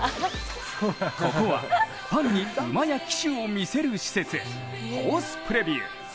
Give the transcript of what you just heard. ここはファンに馬や騎手を見せる施設ホースプレビュー。